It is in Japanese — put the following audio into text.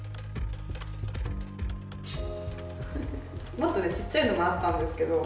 もっとねちっちゃいのもあったんですけど。